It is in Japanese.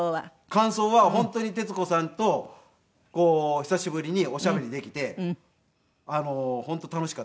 感想は本当に徹子さんと久しぶりにおしゃべりできて本当楽しかったです。